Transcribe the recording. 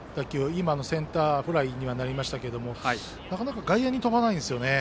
今のも、センターフライにはなりましたけれどもなかなか外野に飛ばないですよね。